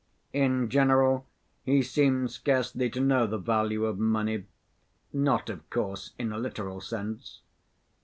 In general he seemed scarcely to know the value of money, not, of course, in a literal sense.